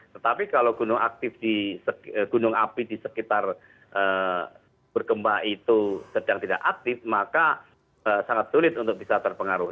tetapi kalau gunung api di sekitar bergemba itu sedang tidak aktif maka sangat sulit untuk bisa terpengaruh